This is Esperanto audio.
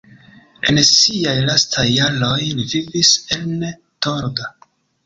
En siaj lastaj jaroj li vivis en Torda.